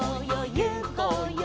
ゆこうよ